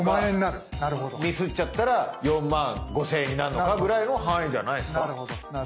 ミスっちゃったら４万５，０００円になるのかぐらいの範囲じゃないですか？